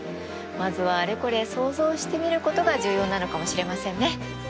まずはあれこれ想像してみることが重要なのかもしれませんね。